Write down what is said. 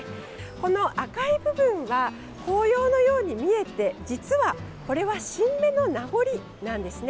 この赤い部分は紅葉のように見えて実はこれは新芽の名残なんですね。